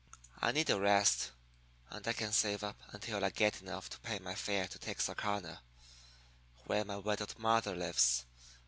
I need a rest, and I can save up until I get enough to pay my fare to Texarkana, where my widowed mother lives.